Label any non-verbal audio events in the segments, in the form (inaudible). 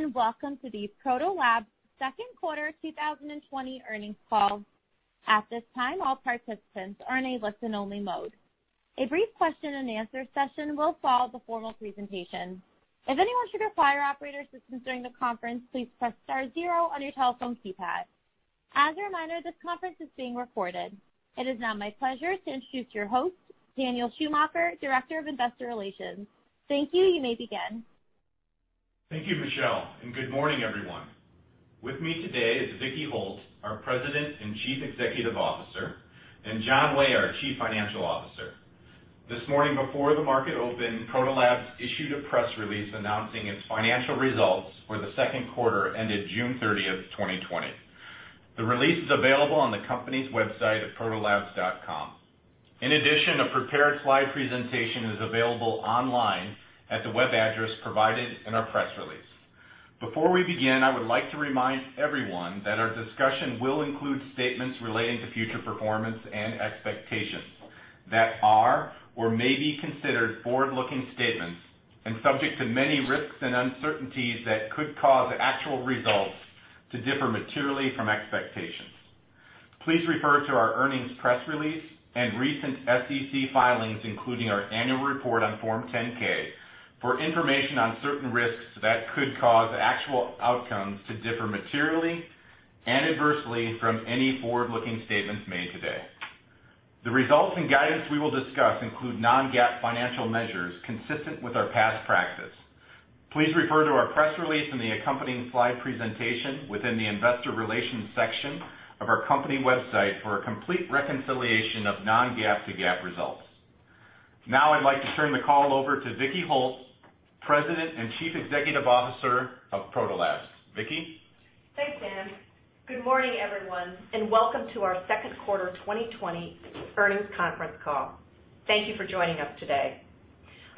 Greetings, and welcome to the Proto Labs second quarter 2020 earnings call. At this time, all participants are in a listen-only mode. A brief question and answer session will follow the formal presentation. If anyone should require operator assistance during the conference, please press star, zero on your telephone keypad. As a reminder, this conference is being recorded. It is now my pleasure to introduce your host, Daniel Schumacher, Director of Investor Relations. Thank you. You may begin. Thank you, Michelle, and good morning, everyone. With me today is Vicki Holt, our President and Chief Executive Officer, and John Way, our Chief Financial Officer. This morning before the market opened, Proto Labs issued a press release announcing its financial results for the second quarter ended June 30th, 2020. The release is available on the company's website at Protolabs.com. In addition, a prepared slide presentation is available online at the web address provided in our press release. Before we begin, I would like to remind everyone that our discussion will include statements relating to future performance and expectations that are or may be considered forward-looking statements and subject to many risks and uncertainties that could cause actual results to differ materially from expectations. Please refer to our earnings press release and recent SEC filings, including our annual report on Form 10-K, for information on certain risks that could cause actual outcomes to differ materially and adversely from any forward-looking statements made today. The results and guidance we will discuss include non-GAAP financial measures consistent with our past practice. Please refer to our press release and the accompanying slide presentation within the investor relations section of our company website for a complete reconciliation of non-GAAP to GAAP results. I'd like to turn the call over to Vicki Holt, President and Chief Executive Officer of Proto Labs. Vicki? Thanks, Dan. Good morning, everyone, and welcome to our second quarter 2020 earnings conference call. Thank you for joining us today.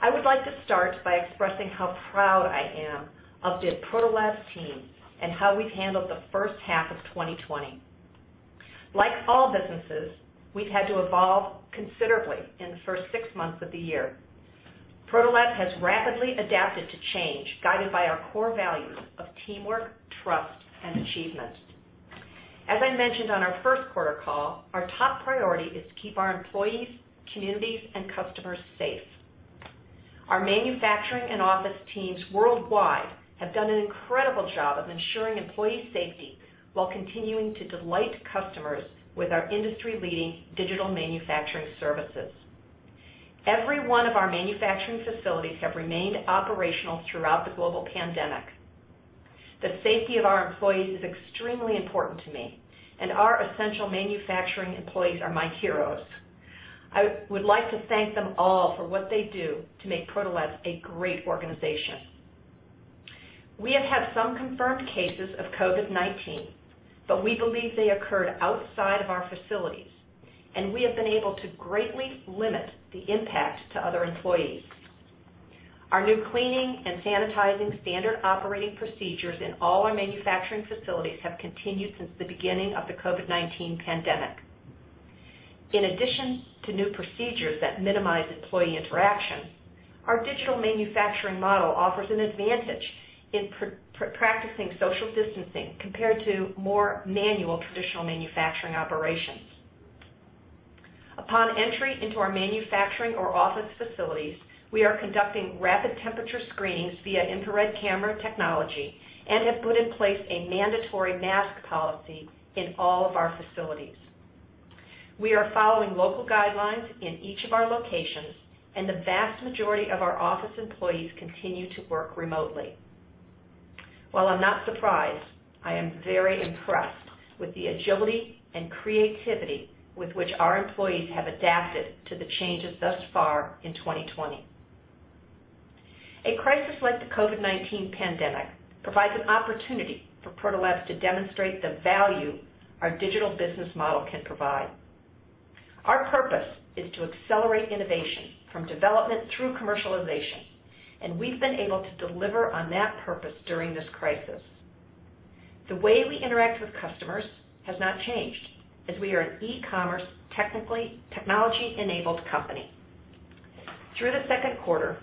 I would like to start by expressing how proud I am of the Proto Labs team and how we've handled the first half of 2020. Like all businesses, we've had to evolve considerably in the first six months of the year. Proto Labs has rapidly adapted to change, guided by our core values of teamwork, trust, and achievement. As I mentioned on our first quarter call, our top priority is to keep our employees, communities, and customers safe. Our manufacturing and office teams worldwide have done an incredible job of ensuring employee safety while continuing to delight customers with our industry-leading digital manufacturing services. Every one of our manufacturing facilities have remained operational throughout the global pandemic. The safety of our employees is extremely important to me, and our essential manufacturing employees are my heroes. I would like to thank them all for what they do to make Proto Labs a great organization. We have had some confirmed cases of COVID-19, but we believe they occurred outside of our facilities, and we have been able to greatly limit the impact to other employees. Our new cleaning and sanitizing standard operating procedures in all our manufacturing facilities have continued since the beginning of the COVID-19 pandemic. In addition to new procedures that minimize employee interaction, our digital manufacturing model offers an advantage in practicing social distancing compared to more manual traditional manufacturing operations. Upon entry into our manufacturing or office facilities, we are conducting rapid temperature screenings via infrared camera technology and have put in place a mandatory mask policy in all of our facilities. We are following local guidelines in each of our locations, and the vast majority of our office employees continue to work remotely. While I'm not surprised, I am very impressed with the agility and creativity with which our employees have adapted to the changes thus far in 2020. A crisis like the COVID-19 pandemic provides an opportunity for Proto Labs to demonstrate the value our digital business model can provide. Our purpose is to accelerate innovation from development through commercialization, and we've been able to deliver on that purpose during this crisis. The way we interact with customers has not changed, as we are an e-commerce, technology-enabled company. Through the second quarter,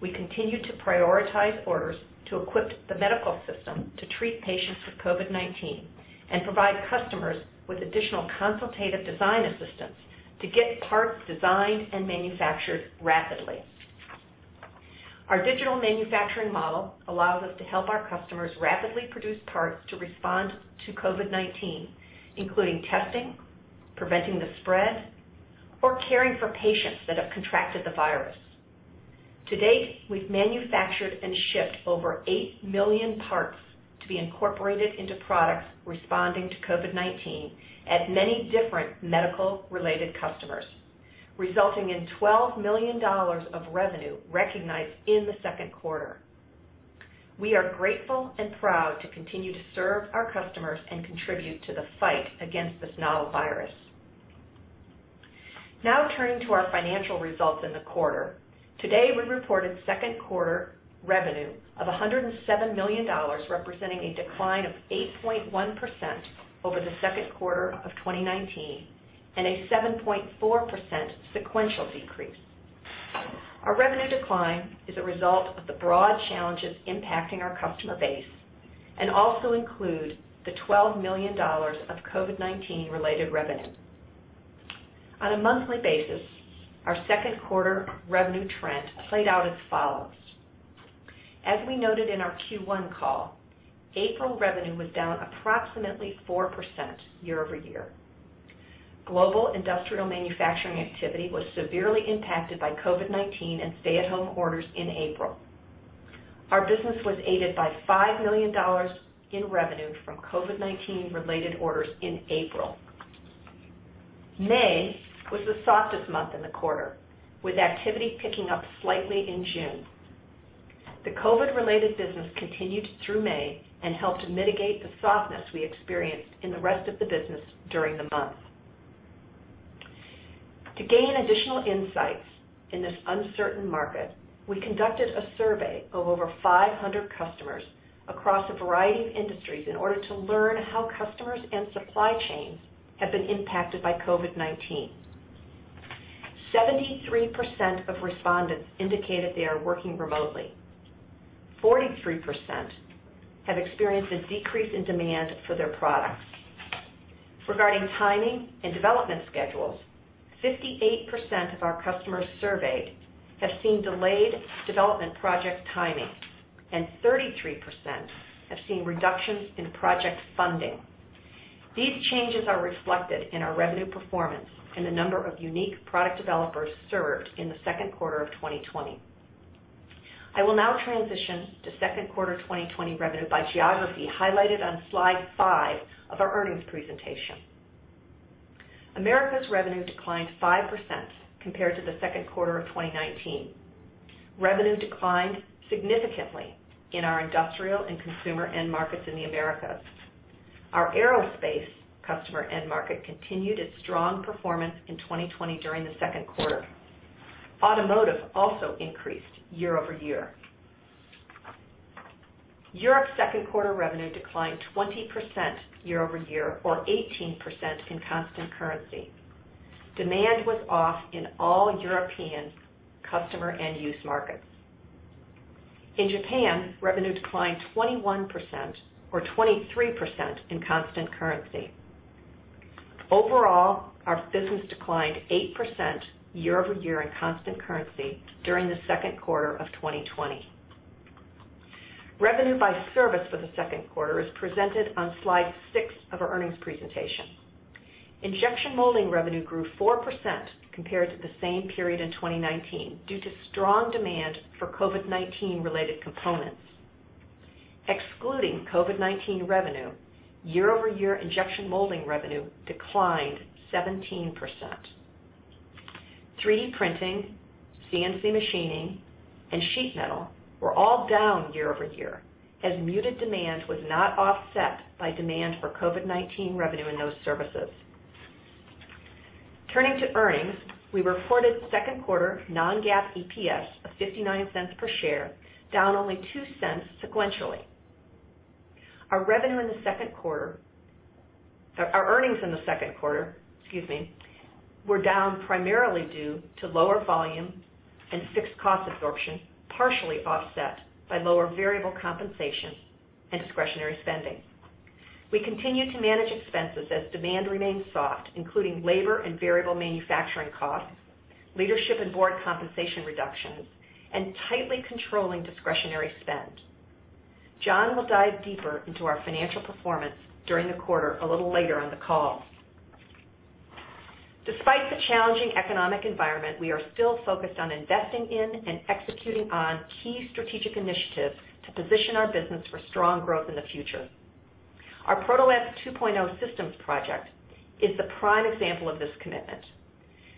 we continued to prioritize orders to equip the medical system to treat patients with COVID-19 and provide customers with additional consultative design assistance to get parts designed and manufactured rapidly. Our digital manufacturing model allows us to help our customers rapidly produce parts to respond to COVID-19, including testing, preventing the spread, or caring for patients that have contracted the virus. To date, we've manufactured and shipped over 8 million parts to be incorporated into products responding to COVID-19 at many different medical-related customers, resulting in $12 million of revenue recognized in the second quarter. We are grateful and proud to continue to serve our customers and contribute to the fight against this novel virus. Now turning to our financial results in the quarter. Today, we reported second quarter revenue of $107 million, representing a decline of 8.1% over the second quarter of 2019 and a 7.4% sequential decrease. Our revenue decline is a result of the broad challenges impacting our customer base and also include the $12 million of COVID-19 related revenue. On a monthly basis, our second quarter revenue trend played out as follows. As we noted in our Q1 call, April revenue was down approximately 4% year-over-year. Global industrial manufacturing activity was severely impacted by COVID-19 and stay at home orders in April. Our business was aided by $5 million in revenue from COVID-19 related orders in April. May was the softest month in the quarter, with activity picking up slightly in June. The COVID related business continued through May and helped mitigate the softness we experienced in the rest of the business during the month. To gain additional insights in this uncertain market, we conducted a survey of over 500 customers across a variety of industries in order to learn how customers and supply chains have been impacted by COVID-19. 73% of respondents indicated they are working remotely. 43% have experienced a decrease in demand for their products. Regarding timing and development schedules, 58% of our customers surveyed have seen delayed development project timing, and 33% have seen reductions in project funding. These changes are reflected in our revenue performance and the number of unique product developers served in the second quarter of 2020. I will now transition to second quarter 2020 revenue by geography, highlighted on slide five of our earnings presentation. Americas revenue declined 5% compared to the second quarter of 2019. Revenue declined significantly in our industrial and consumer end markets in the Americas. Our aerospace customer end market continued its strong performance in 2020 during the second quarter. Automotive also increased year-over-year. Europe second quarter revenue declined 20% year-over-year or 18% in constant currency. Demand was off in all European customer end use markets. In Japan, revenue declined 21%, or 23% in constant currency. Overall, our business declined 8% year-over-year in constant currency during the second quarter of 2020. Revenue by service for the second quarter is presented on slide six of our earnings presentation. Injection molding revenue grew 4% compared to the same period in 2019 due to strong demand for COVID-19 related components. Excluding COVID-19 revenue, year-over-year injection molding revenue declined 17%. 3D printing, CNC machining, and sheet metal were all down year-over-year, as muted demand was not offset by demand for COVID-19 revenue in those services. Turning to earnings, we reported second quarter non-GAAP EPS of $0.59 per share, down only $0.02 sequentially. Our earnings in the second quarter, were down primarily due to lower volume and fixed cost absorption, partially offset by lower variable compensation and discretionary spending. We continue to manage expenses as demand remains soft, including labor and variable manufacturing costs, leadership and board compensation reductions, and tightly controlling discretionary spend. John will dive deeper into our financial performance during the quarter a little later on the call. Despite the challenging economic environment, we are still focused on investing in and executing on key strategic initiatives to position our business for strong growth in the future. Our Proto Labs 2.0 systems project is the prime example of this commitment.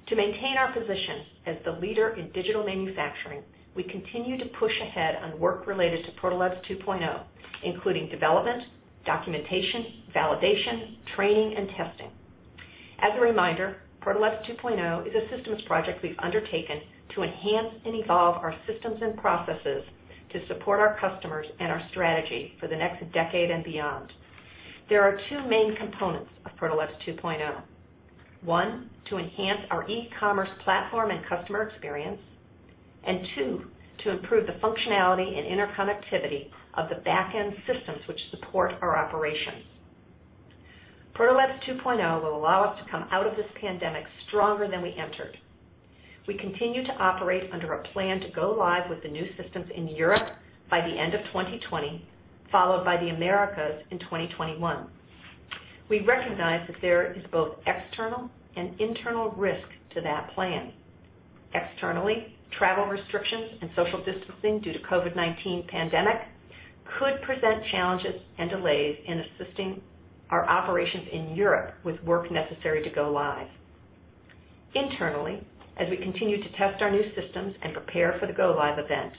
To maintain our position as the leader in digital manufacturing, we continue to push ahead on work related to Proto Labs 2.0, including development, documentation, validation, training, and testing. As a reminder, Proto Labs 2.0 is a systems project we've undertaken to enhance and evolve our systems and processes to support our customers and our strategy for the next decade and beyond. There are two main components of Proto Labs 2.0. One, to enhance our e-commerce platform and customer experience, and two, to improve the functionality and interconnectivity of the back end systems which support our operations. Proto Labs 2.0 will allow us to come out of this pandemic stronger than we entered. We continue to operate under a plan to go live with the new systems in Europe by the end of 2020, followed by the Americas in 2021. We recognize that there is both external and internal risk to that plan. Externally, travel restrictions and social distancing due to COVID-19 pandemic could present challenges and delays in assisting our operations in Europe with work necessary to go live. Internally, as we continue to test our new systems and prepare for the go live event,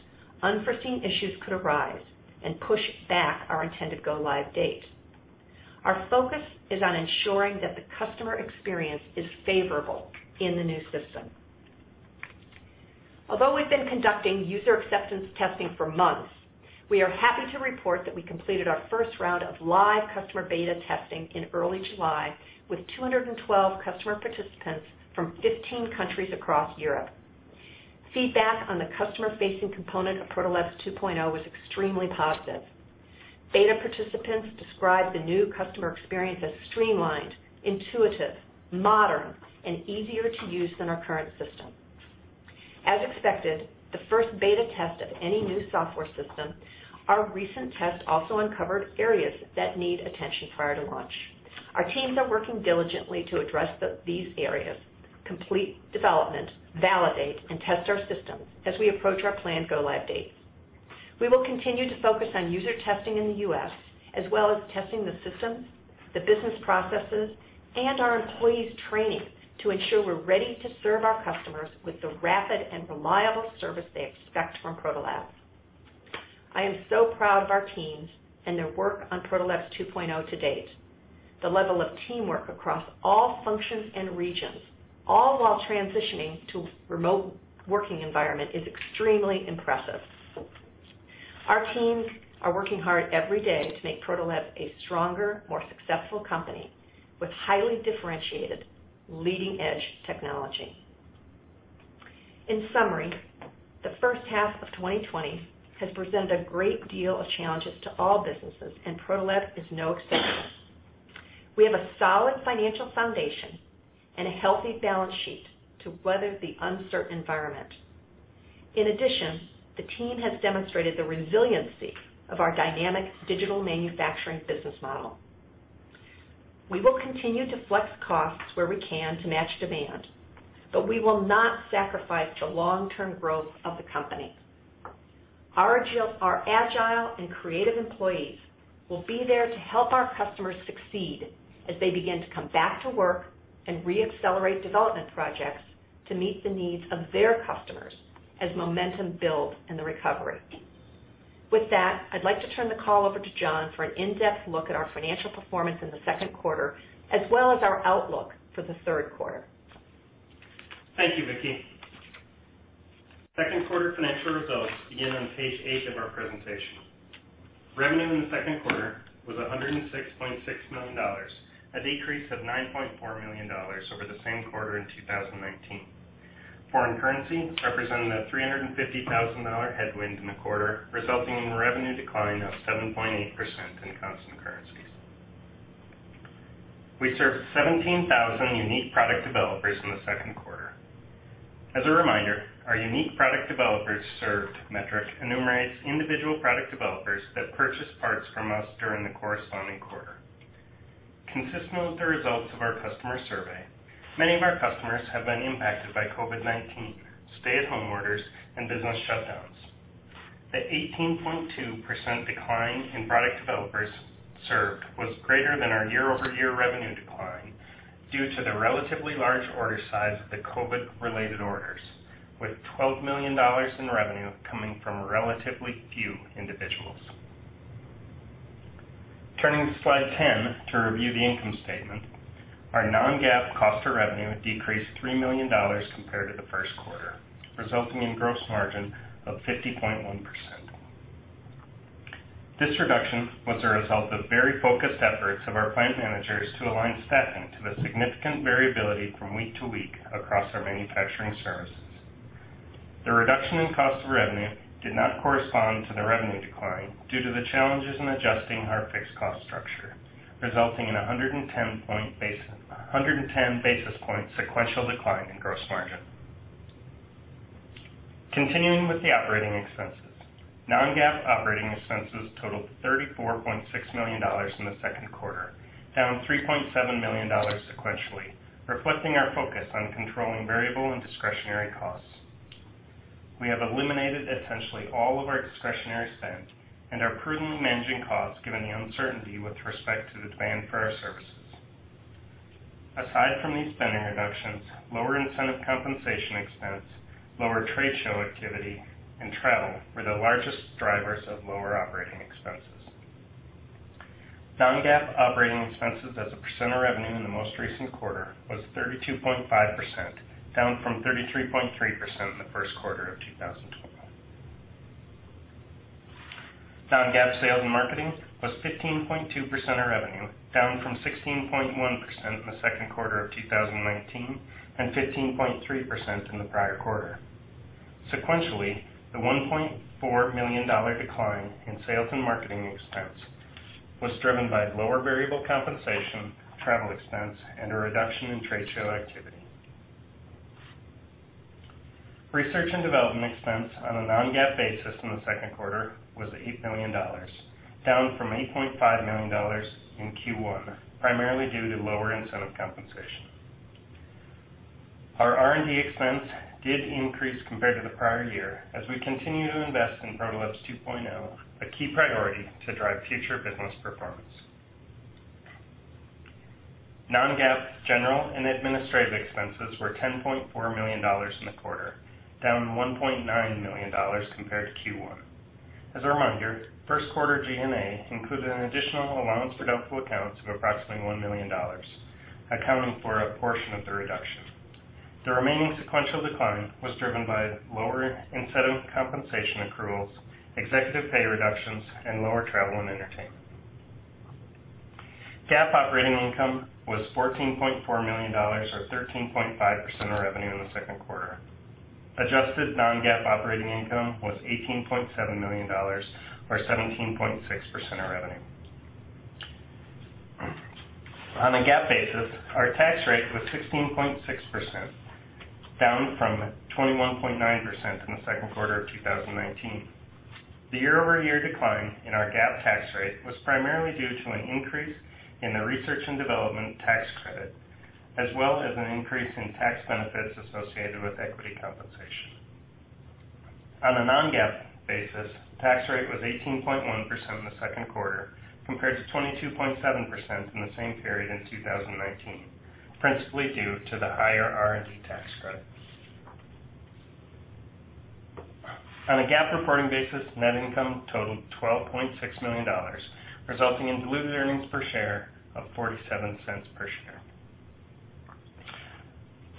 unforeseen issues could arise and push back our intended go live date. Our focus is on ensuring that the customer experience is favorable in the new system. Although we've been conducting user acceptance testing for months. We are happy to report that we completed our first round of live customer beta testing in early July with 212 customer participants from 15 countries across Europe. Feedback on the customer-facing component of Proto Labs 2.0 was extremely positive. Beta participants described the new customer experience as streamlined, intuitive, modern, and easier to use than our current system. As expected, the first beta test of any new software system, our recent test also uncovered areas that need attention prior to launch. Our teams are working diligently to address these areas, complete development, validate, and test our systems as we approach our planned go-live date. We will continue to focus on user testing in the U.S., as well as testing the systems, the business processes, and our employees' training to ensure we're ready to serve our customers with the rapid and reliable service they expect from Proto Labs. I am so proud of our teams and their work on Proto Labs 2.0 to date. The level of teamwork across all functions and regions, all while transitioning to remote working environment, is extremely impressive. Our teams are working hard every day to make Proto Labs a stronger, more successful company with highly differentiated leading-edge technology. In summary, the first half of 2020 has presented a great deal of challenges to all businesses, and Proto Labs is no exception. We have a solid financial foundation and a healthy balance sheet to weather the uncertain environment. In addition, the team has demonstrated the resiliency of our dynamic digital manufacturing business model. We will continue to flex costs where we can to match demand, but we will not sacrifice the long-term growth of the company. Our agile and creative employees will be there to help our customers succeed as they begin to come back to work and re-accelerate development projects to meet the needs of their customers as momentum builds in the recovery. With that, I'd like to turn the call over to John for an in-depth look at our financial performance in the second quarter, as well as our outlook for the third quarter. Thank you, Vicki. Second quarter financial results begin on page eight of our presentation. Revenue in the second quarter was $106.6 million, a decrease of $9.4 million over the same quarter in 2019. Foreign currency represented a $350,000 headwind in the quarter, resulting in revenue decline of 7.8% in constant currencies. We served 17,000 unique product developers in the second quarter. As a reminder, our unique product developers served metric enumerates individual product developers that purchased parts from us during the corresponding quarter. Consistent with the results of our customer survey, many of our customers have been impacted by COVID-19 stay-at-home orders and business shutdowns. The 18.2% decline in product developers served was greater than our year-over-year revenue decline due to the relatively large order size of the COVID related orders, with $12 million in revenue coming from relatively few individuals. Turning to slide 10 to review the income statement. Our non-GAAP cost of revenue decreased $3 million compared to the first quarter, resulting in gross margin of 50.1%. This reduction was a result of very focused efforts of our plant managers to align staffing to the significant variability from week to week across our manufacturing services. The reduction in cost of revenue did not correspond to the revenue decline due to the challenges in adjusting our fixed cost structure, resulting in 110 basis point sequential decline in gross margin. Continuing with the operating expenses. Non-GAAP operating expenses totaled $34.6 million in the second quarter, down $3.7 million sequentially, reflecting our focus on controlling variable and discretionary costs. We have eliminated essentially all of our discretionary spend and are prudently managing costs given the uncertainty with respect to the demand for our services. Aside from these spending reductions, lower incentive compensation expense, lower trade show activity, and travel were the largest drivers of lower operating expenses. Non-GAAP operating expenses as a percent of revenue in the most recent quarter was 32.5%, down from 33.3% in the first quarter of 2020. Non-GAAP sales and marketing was 15.2% of revenue, down from 16.1% in the second quarter of 2019, and 15.3% in the prior quarter. Sequentially, the $1.4 million decline in sales and marketing expense was driven by lower variable compensation, travel expense, and a reduction in trade show activity. Research and development expense on a non-GAAP basis in the second quarter was $8 million, down from $8.5 million in Q1, primarily due to lower incentive compensation. Our R&D expense did increase compared to the prior year as we continue to invest in Proto Labs 2.0, a key priority to drive future business performance. Non-GAAP general and administrative expenses were $10.4 million in the quarter, down $1.9 million compared to Q1. As a reminder, first quarter G&A included an additional allowance for doubtful accounts of approximately $1 million, accounting for a portion of the reduction. The remaining sequential decline was driven by lower incentive compensation accruals, executive pay reductions, and lower travel and entertainment. GAAP operating income was $14.4 million, or 13.5% of revenue in the second quarter. Adjusted non-GAAP operating income was $18.7 million, or 17.6% of revenue. On a GAAP basis, our tax rate was 16.6%, down from 21.9% in the second quarter of 2019. The year-over-year decline in our GAAP tax rate was primarily due to an increase in the research and development tax credit, as well as an increase in tax benefits associated with equity compensation. On a non-GAAP basis, tax rate was 18.1% in the Q2, compared to 22.7% in the same period in 2019, principally due to the higher R&D tax credit. On a GAAP reporting basis, net income totaled $12.6 million, resulting in diluted earnings per share of $0.47 per share.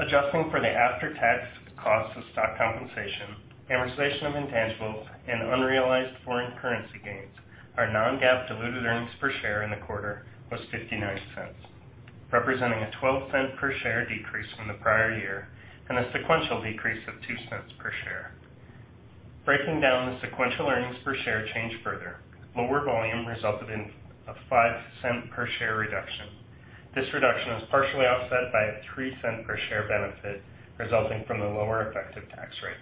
Adjusting for the after-tax cost of stock compensation, amortization of intangibles, and unrealized foreign currency gains, our non-GAAP diluted earnings per share in the quarter was $0.59, representing a $0.12 per share decrease from the prior year and a sequential decrease of $0.02 per share. Breaking down the sequential earnings per share change further, lower volume resulted in a $0.05 per share reduction. This reduction is partially offset by a $0.03 per share benefit resulting from the lower effective tax rate.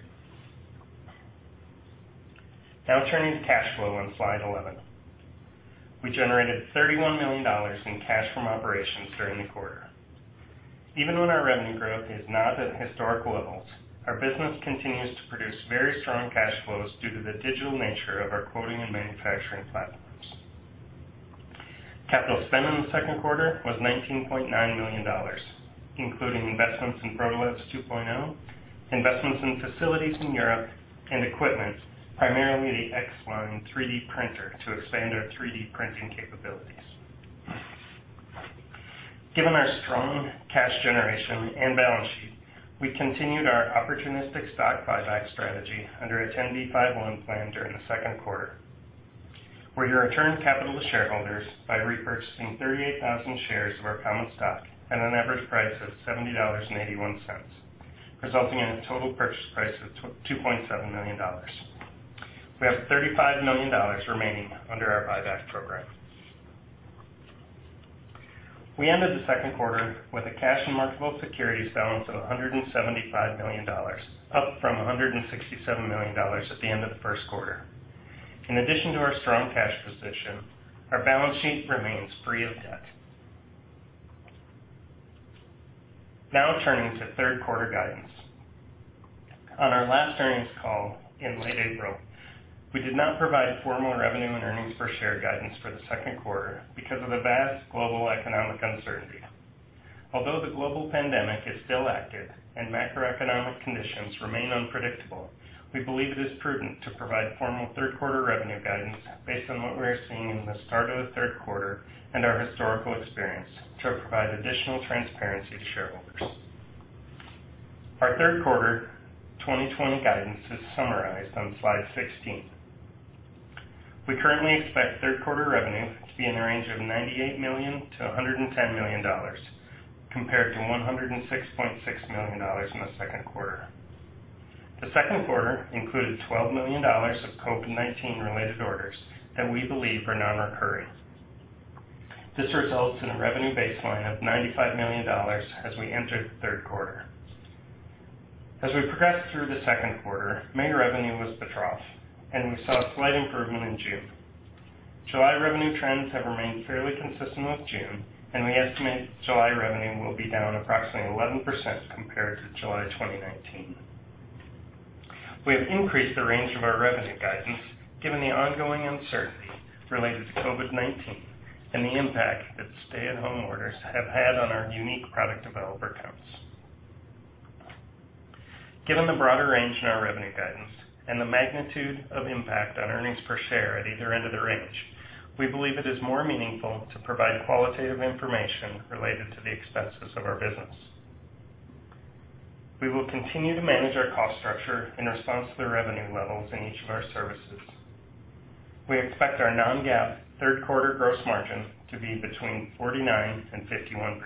Now turning to cash flow on slide 11. We generated $31 million in cash from operations during the quarter. Even when our revenue growth is not at historical levels, our business continues to produce very strong cash flows due to the digital nature of our quoting and manufacturing platforms. Capital spend in the second quarter was $19.9 million, including investments in Proto Labs 2.0, investments in facilities in Europe, and equipment, primarily the X Line 3D printer to expand our 3D printing capabilities. Given our strong cash generation and balance sheet, we continued our opportunistic stock buyback strategy under a 10b5-1 plan during the second quarter, where we returned capital to shareholders by repurchasing 38,000 shares of our common stock at an average price of $70.81, resulting in a total purchase price of $2.7 million. We have $35 million remaining under our buyback program. We ended the second quarter with a cash and marketable securities balance of $175 million, up from $167 million at the end of the first quarter. In addition to our strong cash position, our balance sheet remains free of debt. Turning to third quarter guidance. On our last earnings call in late April, we did not provide formal revenue and earnings per share guidance for the second quarter because of the vast global economic uncertainty. Although the global pandemic is still active and macroeconomic conditions remain unpredictable, we believe it is prudent to provide formal third quarter revenue guidance based on what we are seeing in the start of the third quarter and our historical experience to provide additional transparency to shareholders. Our third quarter 2020 guidance is summarized on slide 16. We currently expect third quarter revenue to be in the range of $98 million-$110 million, compared to $106.6 million in the second quarter. The second quarter included $12 million of COVID-19 related orders that we believe are non-recurring. This results in a revenue baseline of $95 million as we enter the third quarter. As we progressed through the second quarter, May revenue was the trough, and we saw a slight improvement in June. July revenue trends have remained fairly consistent with June, and we estimate July revenue will be down approximately 11% compared to July 2019. We have increased the range of our revenue guidance given the ongoing uncertainty related to COVID-19 and the impact that stay-at-home orders have had on our unique product developer counts. Given the broader range in our revenue guidance and the magnitude of impact on earnings per share at either end of the range, we believe it is more meaningful to provide qualitative information related to the expenses of our business. We will continue to manage our cost structure in response to the revenue levels in each of our services. We expect our non-GAAP third quarter gross margin to be between 49% and 51%.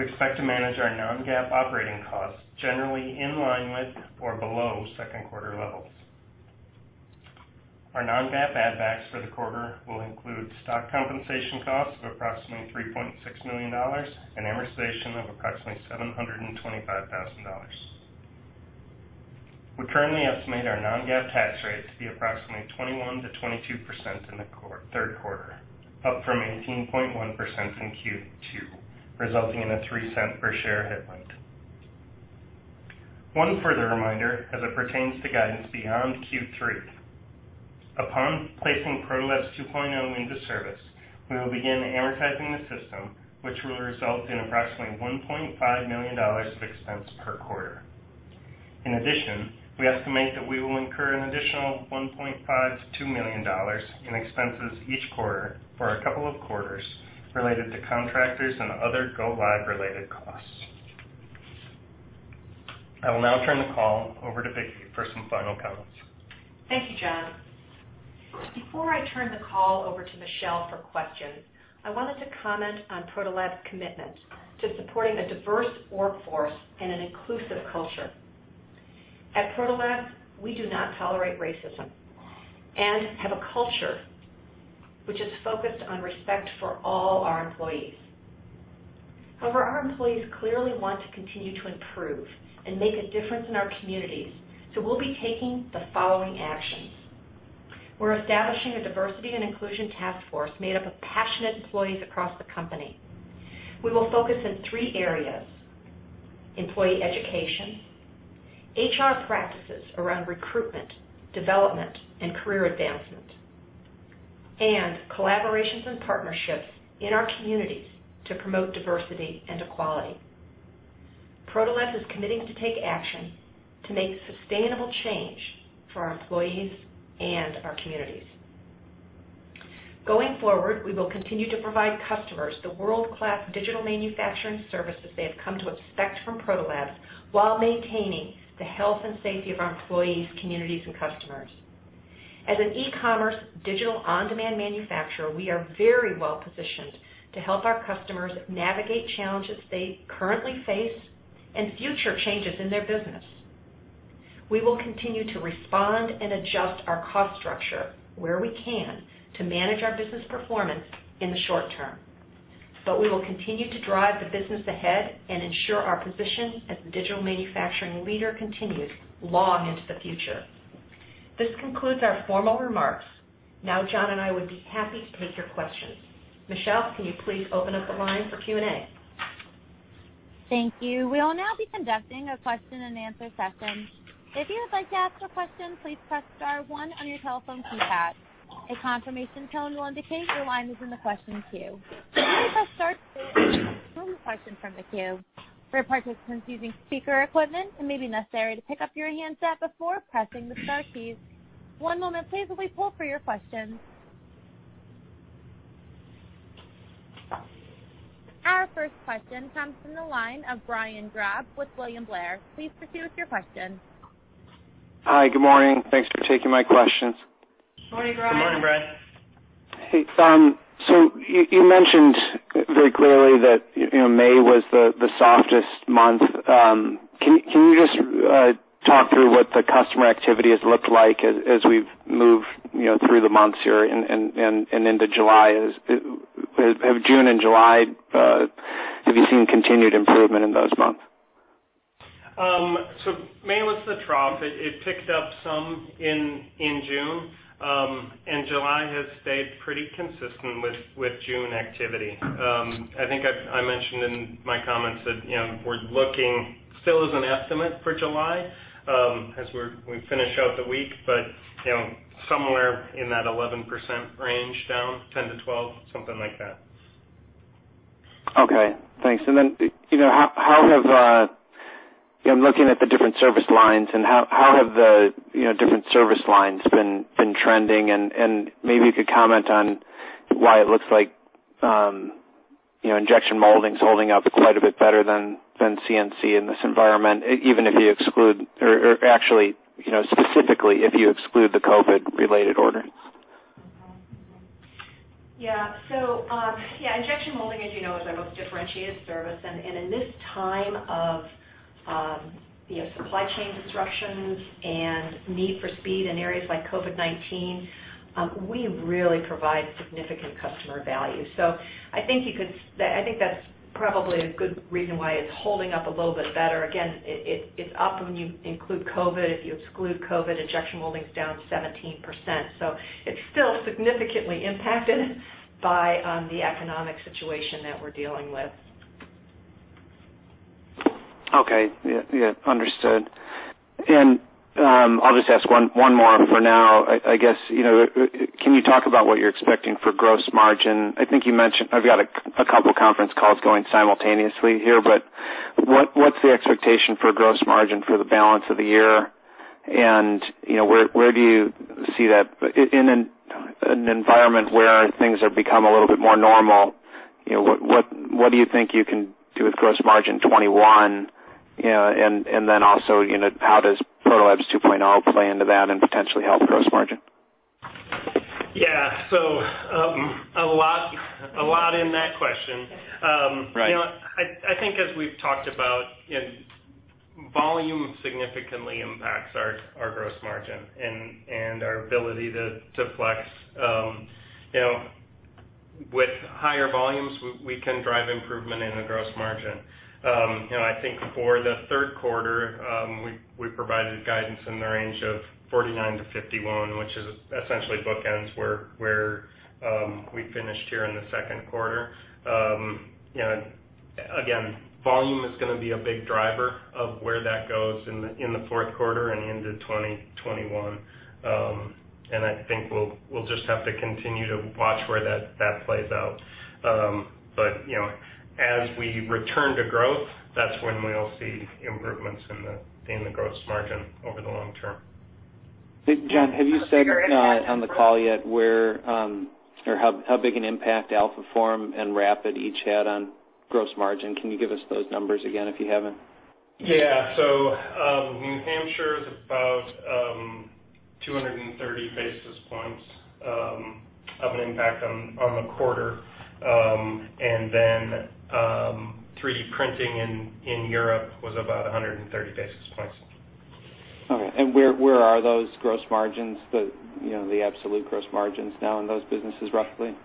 We expect to manage our non-GAAP operating costs generally in line with or below second quarter levels. Our non-GAAP add backs for the quarter will include stock compensation costs of approximately $3.6 million and amortization of approximately $725,000. We currently estimate our non-GAAP tax rate to be approximately 21%-22% in the third quarter, up from 18.1% in Q2, resulting in a $0.03 per share headwind. One further reminder as it pertains to guidance beyond Q3. Upon placing Proto Labs 2.0 into service, we will begin amortizing the system, which will result in approximately $1.5 million of expense per quarter. In addition, we estimate that we will incur an additional $1.5 million-$2 million in expenses each quarter for a couple of quarters related to contractors and other go-live related costs. I will now turn the call over to Vicki for some final comments. Thank you, John. Before I turn the call over to Michelle for questions, I wanted to comment on Proto Labs' commitment to supporting a diverse workforce and an inclusive culture. At Proto Labs, we do not tolerate racism and have a culture which is focused on respect for all our employees. Our employees clearly want to continue to improve and make a difference in our communities, so we'll be taking the following actions. We're establishing a Diversity and Inclusion Task Force made up of passionate employees across the company. We will focus in three areas, employee education, HR practices around recruitment, development, and career advancement, and collaborations and partnerships in our communities to promote diversity and equality. Proto Labs is committing to take action to make sustainable change for our employees and our communities. Going forward, we will continue to provide customers the world-class digital manufacturing services they have come to expect from Proto Labs while maintaining the health and safety of our employees, communities, and customers. As an e-commerce digital on-demand manufacturer, we are very well positioned to help our customers navigate challenges they currently face and future changes in their business. We will continue to respond and adjust our cost structure where we can to manage our business performance in the short term. We will continue to drive the business ahead and ensure our position as the digital manufacturing leader continues long into the future. This concludes our formal remarks. Now, John and I would be happy to take your questions. Michelle, can you please open up the line for Q&A. Thank you. We will now be conducting a question and answer session. If you would like to ask a question, please press star, one on your telephone keypad. A confirmation tone will indicate your line is in the question queue. When you press star (audio distortion) to remove your question from the queue. For participants using speaker equipment, it may be necessary to pick up your handset before pressing the star keys. One moment please while we pull for your questions. Our first question comes from the line of Brian Drab with William Blair. Please proceed with your question. Hi, good morning. Thanks for taking my questions. Morning, Brian. Good morning, Brian. Hey. You mentioned very clearly that May was the softest month. Can you just talk through what the customer activity has looked like as we've moved through the months here and into July? Have June and July, have you seen continued improvement in those months? May was the trough. It picked up some in June. July has stayed pretty consistent with June activity. I think I mentioned in my comments that we're looking still as an estimate for July, as we finish out the week, but somewhere in that 11% range down, 10%-12%, something like that. Okay, thanks. Looking at the different service lines, how have the different service lines been trending? Maybe you could comment on why it looks like injection molding is holding up quite a bit better than CNC in this environment, even if you exclude or actually specifically if you exclude the COVID related orders. Yeah. Injection molding, as you know, is our most differentiated service, and in this time of supply chain disruptions and need for speed in areas like COVID-19, we really provide significant customer value. I think that's probably a good reason why it's holding up a little bit better. Again, it's up when you include COVID, if you exclude COVID, injection molding's down 17%. It's still significantly impacted by the economic situation that we're dealing with. Okay, understood. I'll just ask one more for now, I guess. Can you talk about what you're expecting for gross margin? I think you mentioned, I've got a couple conference calls going simultaneously here, but what's the expectation for gross margin for the balance of the year? Where do you see that in an environment where things have become a little bit more normal, what do you think you can do with gross margin 2021? Then also, how does Proto Labs 2.0 play into that and potentially help gross margin? Yeah, a lot in that question. Right. I think as we've talked about, volume significantly impacts our gross margin and our ability to flex. With higher volumes, we can drive improvement in the gross margin. I think for the third quarter, we provided guidance in the range of 49%-51%, which essentially bookends where we finished here in the second quarter. Again, volume is going to be a big driver of where that goes in the fourth quarter and into 2021. I think we'll just have to continue to watch where that plays out. As we return to growth, that's when we'll see improvements in the gross margin over the long term. John, have you said on the call yet how big an impact Alphaform and RAPID each had on gross margin? Can you give us those numbers again, if you haven't? Yeah. New Hampshire is about 230 basis points of an impact on the quarter. 3D printing in Europe was about 130 basis points. Okay. Where are those gross margins, the absolute gross margins now in those businesses, roughly?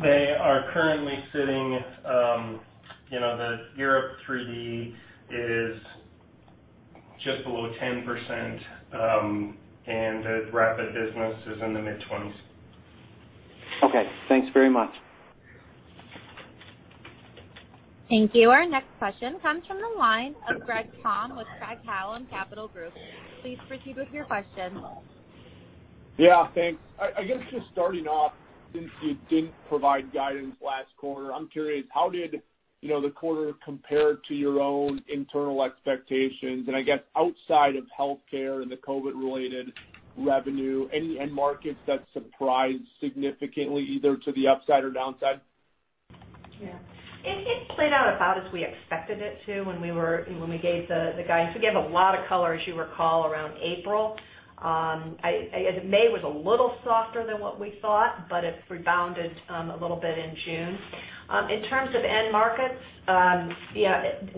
The Europe 3D is just below 10%, and the RAPID business is in the mid-20s. Okay. Thanks very much. Thank you. Our next question comes from the line of Greg Palm with Craig-Hallum Capital Group. Please proceed with your question. Yeah, thanks. I guess just starting off, since you didn't provide guidance last quarter, I'm curious how did the quarter compare to your own internal expectations? I guess outside of healthcare and the COVID-related revenue, any end markets that surprised significantly, either to the upside or downside? Yeah. It played out about as we expected it to when we gave the guidance. We gave a lot of color, as you recall, around April. May was a little softer than what we thought, but it's rebounded a little bit in June. In terms of end markets,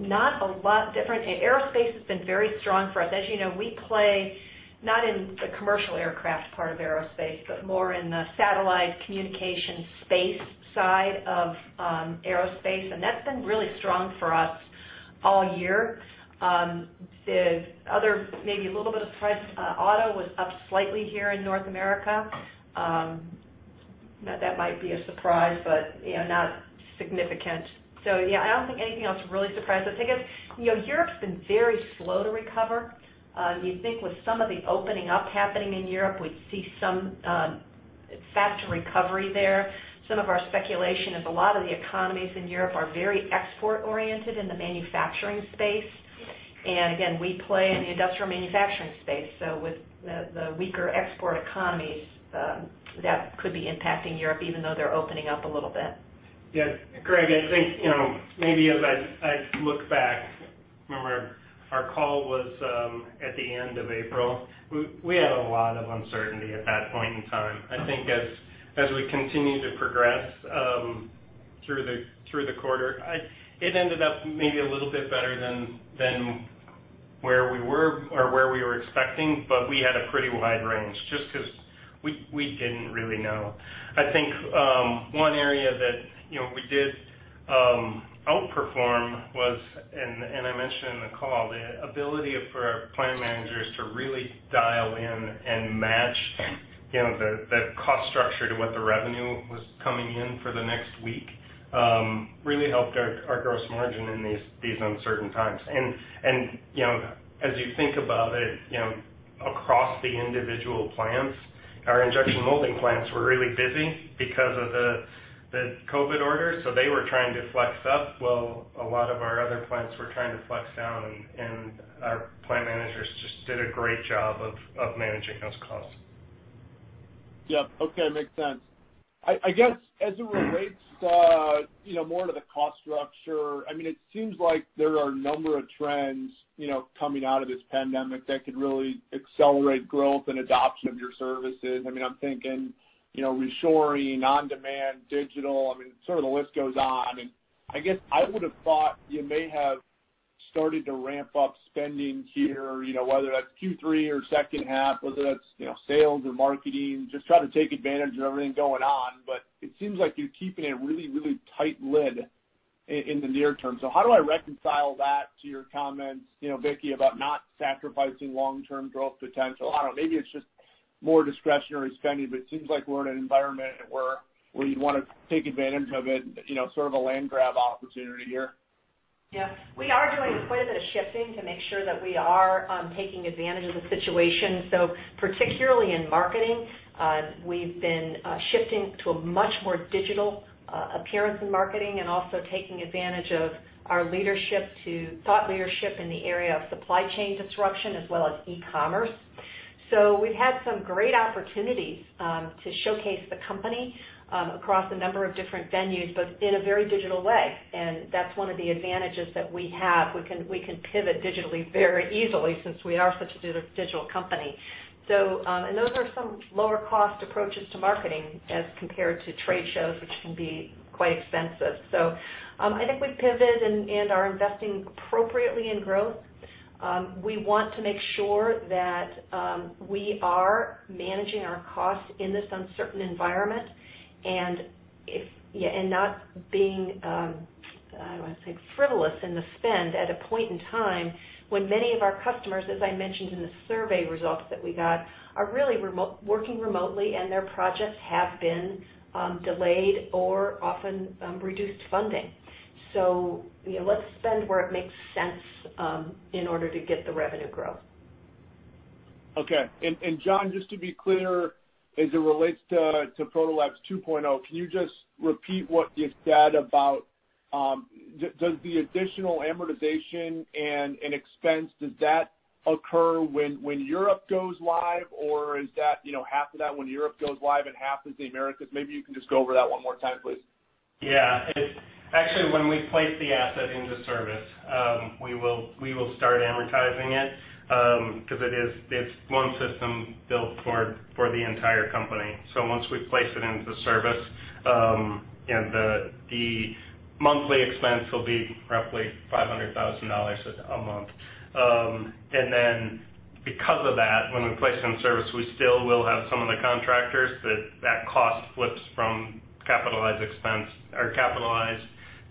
not a lot different. Aerospace has been very strong for us. As you know, we play not in the commercial aircraft part of aerospace, but more in the satellite communication space side of aerospace, and that's been really strong for us all year. The other, maybe a little bit of surprise, auto was up slightly here in North America. That might be a surprise, but not significant. I don't think anything else really surprised us. I guess Europe's been very slow to recover. You'd think with some of the opening up happening in Europe, we'd see some faster recovery there. Some of our speculation is a lot of the economies in Europe are very export-oriented in the manufacturing space. Again, we play in the industrial manufacturing space, so with the weaker export economies, that could be impacting Europe, even though they're opening up a little bit. Greg, I think maybe as I look back, remember our call was at the end of April. We had a lot of uncertainty at that point in time. I think as we continue to progress through the quarter, it ended up maybe a little bit better than where we were or where we were expecting, but we had a pretty wide range just because we didn't really know. I think one area that we did outperform was, and I mentioned in the call, the ability for our plant managers to really dial in and match the cost structure to what the revenue was coming in for the next week really helped our gross margin in these uncertain times. As you think about it, across the individual plants, our injection molding plants were really busy because of the COVID orders. They were trying to flex up while a lot of our other plants were trying to flex down, and our plant managers just did a great job of managing those costs. Yep. Okay, makes sense. I guess as it relates more to the cost structure, it seems like there are a number of trends coming out of this pandemic that could really accelerate growth and adoption of your services. I'm thinking reshoring, on-demand digital, the list goes on. I guess I would've thought you may have started to ramp up spending here, whether that's Q3 or second half, whether that's sales or marketing, just try to take advantage of everything going on. It seems like you're keeping a really tight lid in the near term. How do I reconcile that to your comments, Vicki, about not sacrificing long-term growth potential? I don't know, maybe it's just more discretionary spending, but it seems like we're in an environment where you'd want to take advantage of it, sort of a land grab opportunity here. Yeah. We are doing quite a bit of shifting to make sure that we are taking advantage of the situation. Particularly in marketing, we've been shifting to a much more digital appearance in marketing and also taking advantage of our thought leadership in the area of supply chain disruption as well as e-commerce. We've had some great opportunities to showcase the company across a number of different venues, but in a very digital way, and that's one of the advantages that we have. We can pivot digitally very easily since we are such a digital company. Those are some lower cost approaches to marketing as compared to trade shows, which can be quite expensive. I think we've pivoted and are investing appropriately in growth. We want to make sure that we are managing our costs in this uncertain environment and not being, how do I say, frivolous in the spend at a point in time when many of our customers, as I mentioned in the survey results that we got, are really working remotely and their projects have been delayed or often reduced funding. Let's spend where it makes sense in order to get the revenue growth. Okay. John, just to be clear as it relates to Proto Labs 2.0, can you just repeat what you said about, does the additional amortization and expense occur when Europe goes live or is half of that when Europe goes live and half is the Americas? Maybe you can just go over that one more time, please. Actually, when we place the asset into service, we will start amortizing it, because it's one system built for the entire company. Once we place it into service, the monthly expense will be roughly $500,000 a month. Because of that, when we place it in service, we still will have some of the contractors that cost flips from capitalized expense or capitalized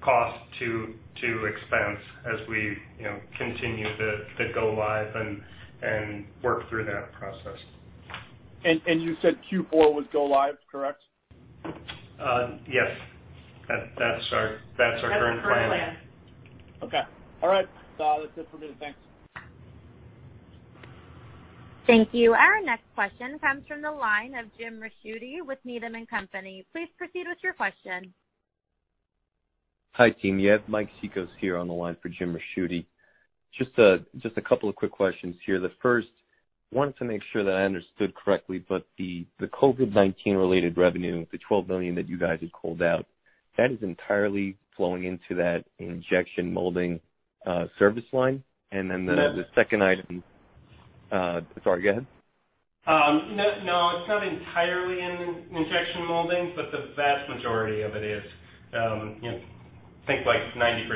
cost to expense as we continue to go live and work through that process. You said Q4 was go live, correct? Yes. That's our current plan. That's our current plan. Okay. All right, that's it for me. Thanks. Thank you. Our next question comes from the line of Jim Ricchiuti with Needham & Company. Please proceed with your question. Hi, team. You have Mike Cikos here on the line for Jim Ricchiuti. Just a couple of quick questions here. The first, wanted to make sure that I understood correctly, but the COVID-19 related revenue, the $12 million that you guys had called out, that is entirely flowing into that injection molding service line? No. The second item. Sorry, go ahead. No, it's not entirely in injection molding, but the vast majority of it is. Think like 90%+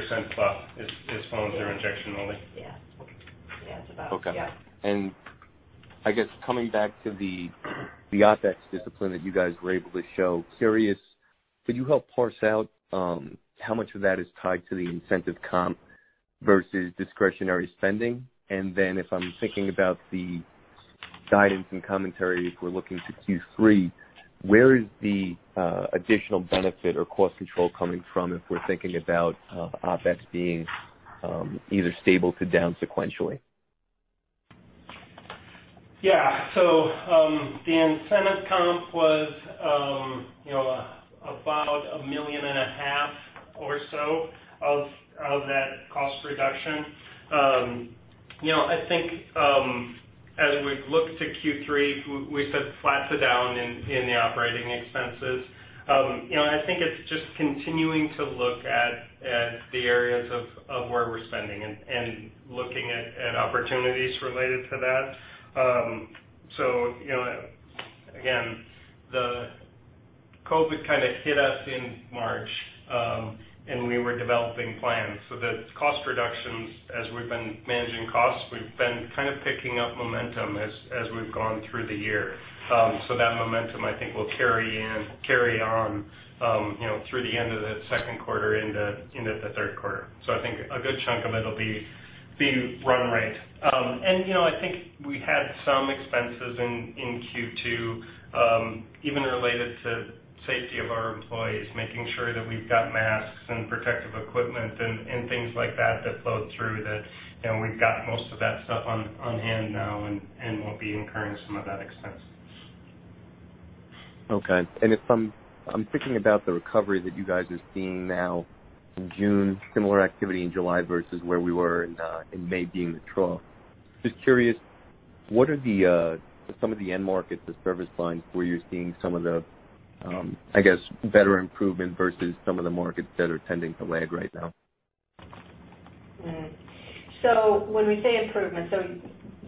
is flowing through injection molding. Yeah. Okay. Yeah, it's about, yeah. Okay. I guess coming back to the OpEx discipline that you guys were able to show, curious, could you help parse out how much of that is tied to the incentive comp versus discretionary spending? If I'm thinking about the guidance and commentary, if we're looking to Q3, where is the additional benefit or cost control coming from if we're thinking about OpEx being either stable to down sequentially? Yeah, the incentive comp was about $1.5 million or so of that cost reduction. I think as we look to Q3, we said flat to down in the operating expenses. I think it's just continuing to look at the areas of where we're spending and looking at opportunities related to that. Again, the COVID kind of hit us in March, and we were developing plans. The cost reductions, as we've been managing costs, we've been kind of picking up momentum as we've gone through the year. That momentum I think will carry on through the end of the second quarter into the third quarter. I think a good chunk of it'll be run rate. I think we had some expenses in Q2, even related to safety of our employees, making sure that we've got masks and protective equipment and things like that that flowed through that we've got most of that stuff on hand now and won't be incurring some of that expense. Okay. If I'm thinking about the recovery that you guys are seeing now in June, similar activity in July versus where we were in May being the trough. Just curious, what are some of the end markets, the service lines where you're seeing some of the, I guess, better improvement versus some of the markets that are tending to lag right now? When we say improvement,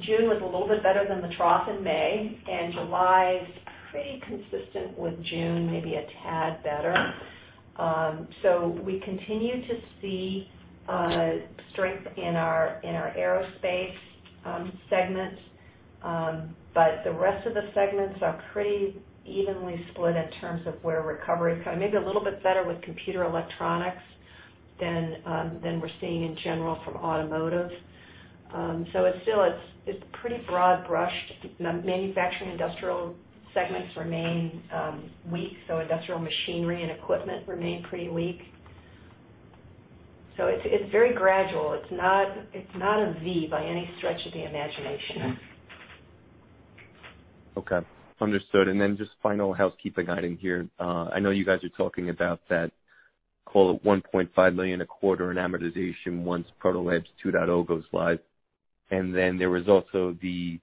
June was a little bit better than the trough in May, and July is pretty consistent with June, maybe a tad better. We continue to see strength in our aerospace segments, the rest of the segments are pretty evenly split in terms of where recovery is coming. Maybe a little bit better with computer electronics than we're seeing in general from automotive. It's still pretty broad brushed. Manufacturing industrial segments remain weak, industrial machinery and equipment remain pretty weak. It's very gradual. It's not a V by any stretch of the imagination. Okay, understood. Just final housekeeping item here. I know you guys are talking about that, call it $1.5 million a quarter in amortization once Proto Labs 2.0 goes live. There was also the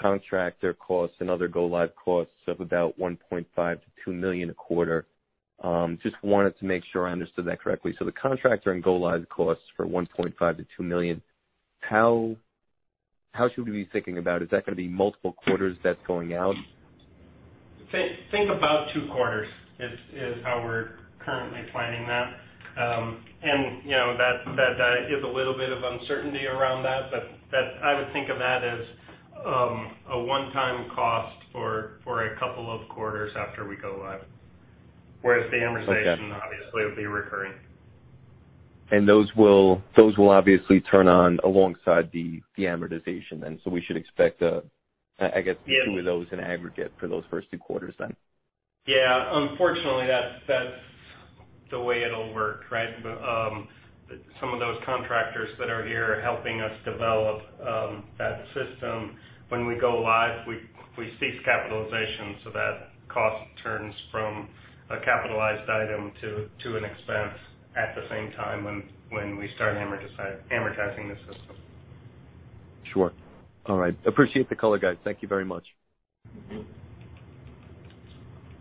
contractor costs and other go live costs of about $1.5 million-$2 million a quarter. Just wanted to make sure I understood that correctly. The contractor and go live costs for $1.5 million-$2 million, how should we be thinking about it? Is that going to be multiple quarters that's going out? Think about two quarters is how we're currently planning that. That is a little bit of uncertainty around that, but I would think of that as a one-time cost for a couple of quarters after we go live. Whereas the amortization... Okay. ...obviously, will be recurring. Those will obviously turn on alongside the amortization then. We should expect... Yeah. ...the two of those in aggregate for those first two quarters then? Yeah. Unfortunately, that's the way it'll work. Right, some of those contractors that are here helping us develop that system, when we go live, we cease capitalization, so that cost turns from a capitalized item to an expense at the same time when we start amortizing the system. Sure, all right. Appreciate the color, guys. Thank you very much.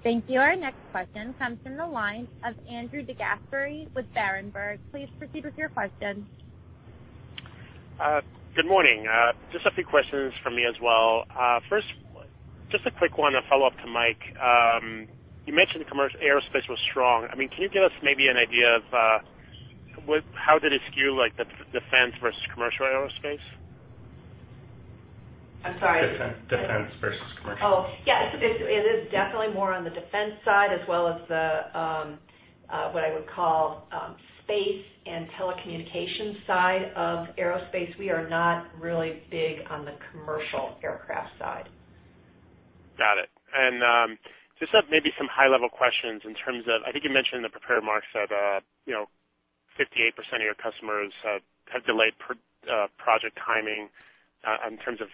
Thank you. Our next question comes from the line of Andrew DeGasperi with Berenberg. Please proceed with your question. Good morning, just a few questions from me as well. First, just a quick one, a follow-up to Mike. You mentioned aerospace was strong. Can you give us maybe an idea of how did it skew, the defense versus commercial aerospace? I'm sorry? Defense versus commercial. Oh. Yeah, it is definitely more on the defense side as well as the, what I would call, space and telecommunications side of aerospace. We are not really big on the commercial aircraft side. Got it. Just have maybe some high-level questions in terms of, I think you mentioned in the prepared remarks that 58% of your customers have delayed project timing in terms of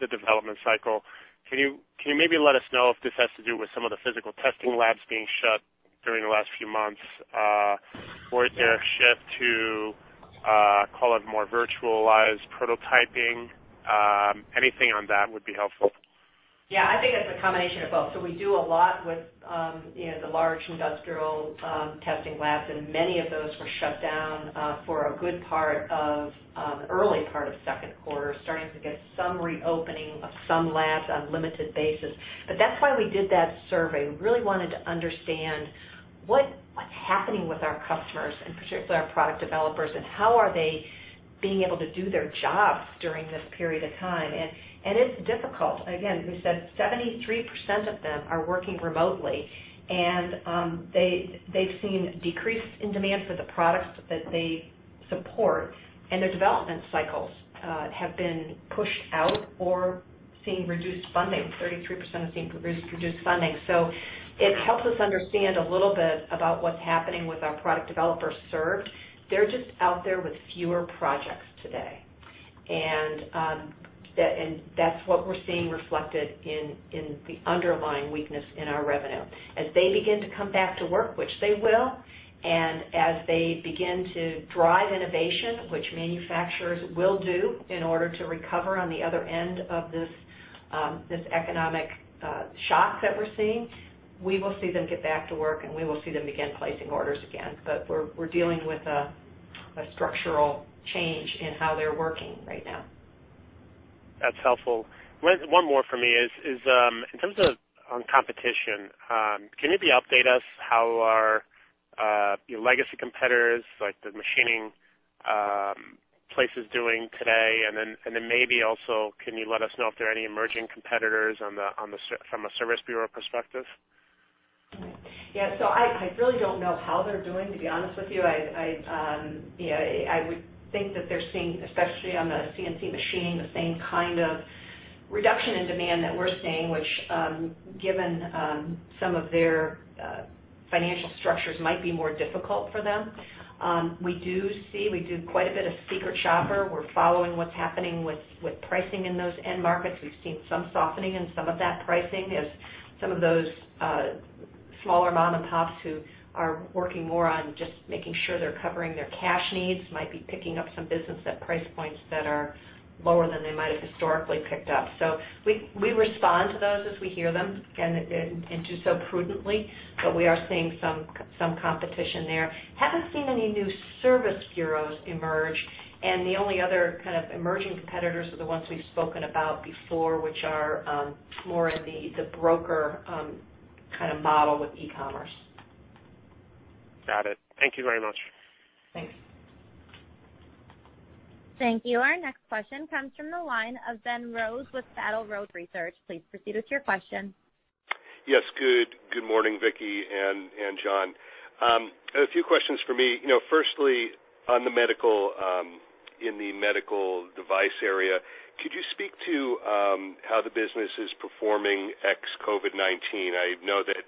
the development cycle. Can you maybe let us know if this has to do with some of the physical testing labs being shut during the last few months? Is there a shift to, call it more virtualized prototyping? Anything on that would be helpful. Yeah, I think it's a combination of both. We do a lot with the large industrial testing labs, and many of those were shut down for a good part of early part of second quarter. Starting to get some reopening of some labs on a limited basis. That's why we did that survey, we really wanted to understand what's happening with our customers, and particularly our product developers, and how are they being able to do their jobs during this period of time. It's difficult. Again, as we said, 73% of them are working remotely, and they've seen a decrease in demand for the products that they support, and their development cycles have been pushed out or seeing reduced funding. 33% are seeing reduced funding. It helps us understand a little bit about what's happening with our product developers served. They're just out there with fewer projects today, and that's what we're seeing reflected in the underlying weakness in our revenue. As they begin to come back to work, which they will, and as they begin to drive innovation, which manufacturers will do in order to recover on the other end of this economic shock that we're seeing, we will see them get back to work, and we will see them begin placing orders again. We're dealing with a structural change in how they're working right now. That's helpful. One more from me is, in terms of on competition, can you maybe update us how are your legacy competitors, like the machining places doing today, and then maybe also, can you let us know if there are any emerging competitors from a service bureau perspective? Yeah. I really don't know how they're doing, to be honest with you. I would think that they're seeing, especially on the CNC machining, the same kind of reduction in demand that we're seeing, which, given some of their financial structures, might be more difficult for them. We do quite a bit of secret shopper, we're following what's happening with pricing in those end markets. We've seen some softening in some of that pricing as some of those smaller mom-and-pops who are working more on just making sure they're covering their cash needs might be picking up some business at price points that are lower than they might have historically picked up. We respond to those as we hear them, again, and do so prudently. We are seeing some competition there. Haven't seen any new service bureaus emerge, and the only other kind of emerging competitors are the ones we've spoken about before, which are more in the broker kind of model with e-commerce. Got it. Thank you very much. Thanks. Thank you. Our next question comes from the line of Ben Rose with Battle Road Research. Please proceed with your question. Yes. Good morning, Vicki and John. A few questions for me. Firstly, in the medical device area, could you speak to how the business is performing ex-COVID-19? I know that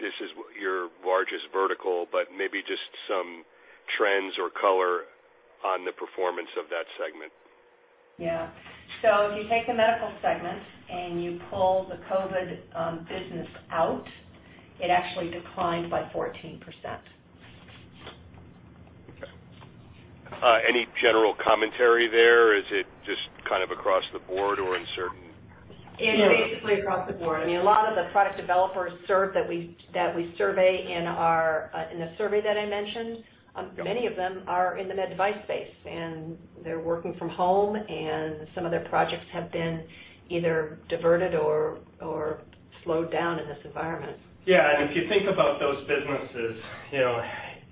this is your largest vertical, maybe just some trends or color on the performance of that segment. Yeah. If you take the medical segment and you pull the COVID business out, it actually declined by 14%. Okay. Any general commentary there? Is it just kind of across the board or in certain areas? It's basically across the board. A lot of the product developers served that we survey in the survey that I mentioned, many of them are in the med device space, and they're working from home, and some of their projects have been either diverted or slowed down in this environment. If you think about those businesses,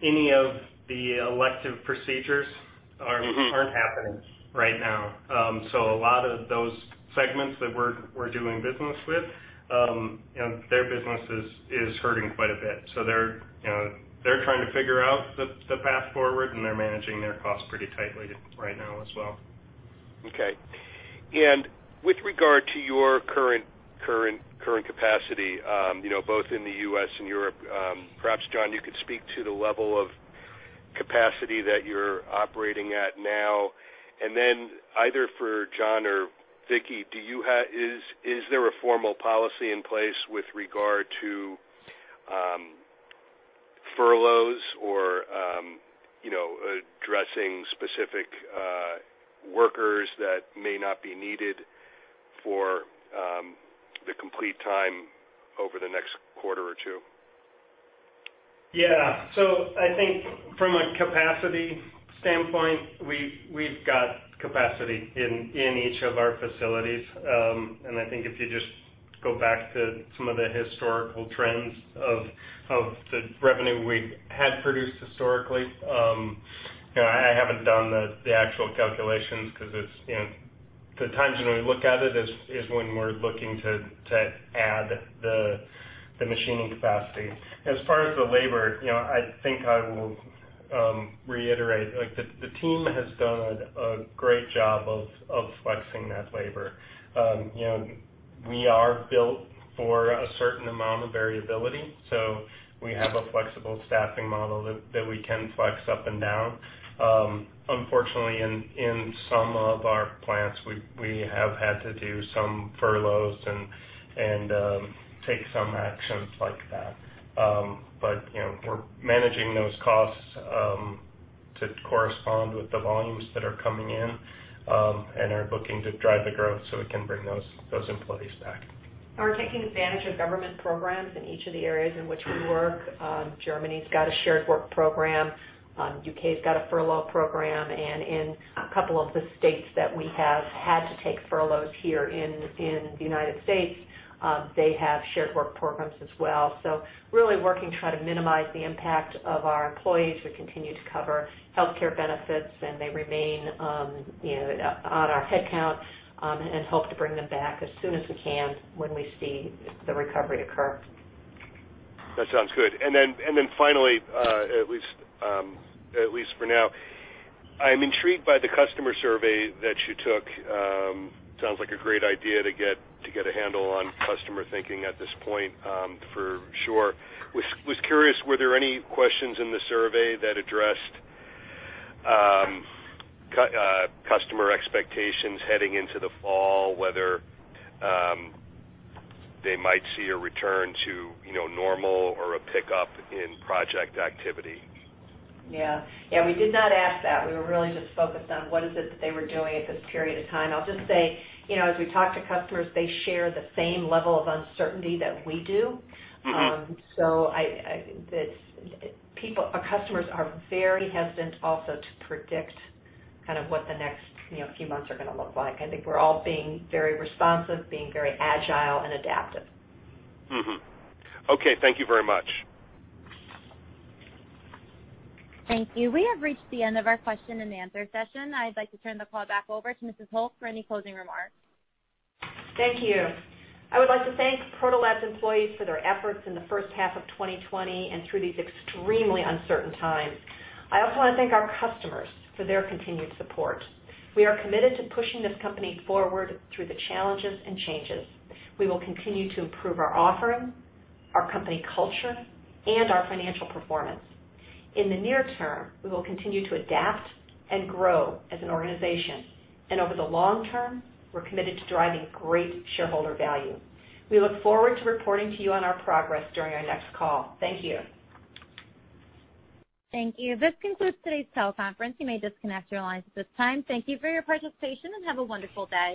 any of the elective procedures aren't happening right now. A lot of those segments that we're doing business with, their business is hurting quite a bit. They're trying to figure out the path forward, and they're managing their costs pretty tightly right now as well. Okay. With regard to your current capacity both in the U.S. and Europe, perhaps, John, you could speak to the level of capacity that you're operating at now. Either for John or Vicki, is there a formal policy in place with regard to furloughs or addressing specific workers that may not be needed for the complete time over the next quarter or two? Yeah. I think from a capacity standpoint, we've got capacity in each of our facilities. I think if you just go back to some of the historical trends of the revenue we had produced historically, I haven't done the actual calculations because the times when we look at it is when we're looking to add the machining capacity. As far as the labor, I think I will reiterate, the team has done a great job of flexing that labor. We are built for a certain amount of variability, so we have a flexible staffing model that we can flex up and down. Unfortunately, in some of our plants, we have had to do some furloughs and take some actions like that. We're managing those costs to correspond with the volumes that are coming in, and are looking to drive the growth so we can bring those employees back. We're taking advantage of government programs in each of the areas in which we work. Germany's got a shared work program, U.K.'s got a furlough program, and in a couple of the states that we have had to take furloughs here in the U.S., they have shared work programs as well. Really working to try to minimize the impact of our employees, we continue to cover healthcare benefits, and they remain on our headcount, and hope to bring them back as soon as we can when we see the recovery occur. That sounds good. Then finally, at least for now, I'm intrigued by the customer survey that you took. Sounds like a great idea to get a handle on customer thinking at this point, for sure. Was curious, were there any questions in the survey that addressed customer expectations heading into the fall, whether they might see a return to normal or a pickup in project activity? Yeah. We did not ask that, we were really just focused on what is it that they were doing at this period of time. I'll just say, as we talk to customers, they share the same level of uncertainty that we do. Our customers are very hesitant also to predict kind of what the next few months are going to look like. I think we're all being very responsive, being very agile and adaptive. Mm-hmm. Okay, thank you very much. Thank you. We have reached the end of our question and answer session. I'd like to turn the call back over to Mrs. Holt for any closing remarks. Thank you. I would like to thank Proto Labs employees for their efforts in the first half of 2020 and through these extremely uncertain times. I also want to thank our customers for their continued support. We are committed to pushing this company forward through the challenges and changes. We will continue to improve our offering, our company culture, and our financial performance. In the near term, we will continue to adapt and grow as an organization, and over the long term, we're committed to driving great shareholder value. We look forward to reporting to you on our progress during our next call. Thank you. Thank you. This concludes today's teleconference. You may disconnect your lines at this time. Thank you for your participation, and have a wonderful day.